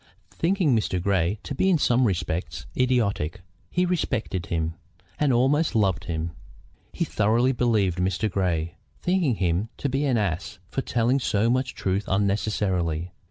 Thinking Mr. Grey to be in some respects idiotic, he respected him, and almost loved him. He thoroughly believed Mr. Grey, thinking him to be an ass for telling so much truth unnecessarily.